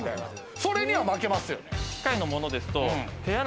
それには負けますよね？